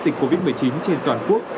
dịch covid một mươi chín trên toàn quốc